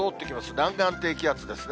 南岸低気圧ですね。